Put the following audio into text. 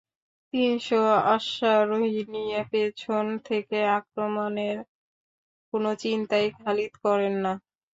তিনশ অশ্বারোহী নিয়ে পেছন থেকে আক্রমণের কোন চিন্তাই খালিদ করেন না।